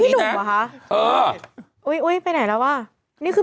เป็นการกระตุ้นการไหลเวียนของเลือด